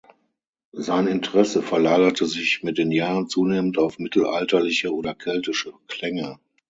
Sein Interesse verlagerte sich mit den Jahren zunehmend auf mittelalterliche oder keltische Klänge.